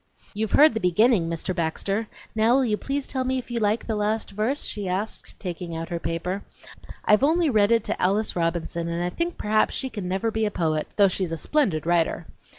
"You've heard the beginning, Mr. Baxter; now will you please tell me if you like the last verse?" she asked, taking out her paper. "I've only read it to Alice Robinson, and I think perhaps she can never be a poet, though she's a splendid writer.